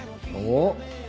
おっ？